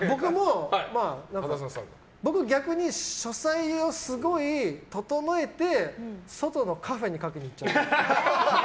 僕、逆に書斎をすごい整えて外のカフェに書きに行っちゃう。